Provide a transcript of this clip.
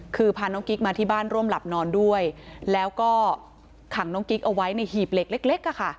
คือพาน้องกิ๊กมาที่บ้านร่วมหลับนอนด้วยแล้วก็ขังน้องกิ๊กเอาไว้ในหีบเหล็กเล็ก